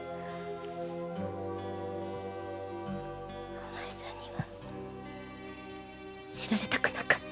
お前さんには知られたくなかった。